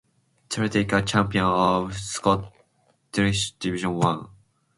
Celtic are champions of the Scottish Division One.